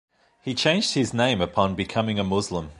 He changed his name upon becoming a Muslim.